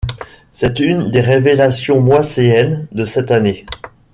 C'est une des révélations moisséennes de cette année.